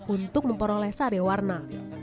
untuk memperoleh sari warna